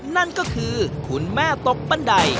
นั่นก็คือคุณแม่ตกบันได